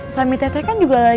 suami tete kan juga lagi